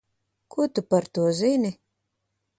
Ko tu par to zini?